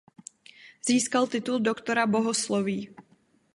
Získal titul doktora bohosloví.